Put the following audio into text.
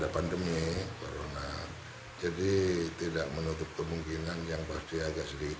karena ada pandemi jadi tidak menutup kemungkinan yang pasti agak sedikit